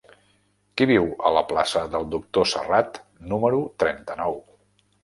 Qui viu a la plaça del Doctor Serrat número trenta-nou?